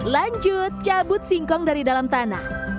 lanjut cabut singkong dari dalam tanah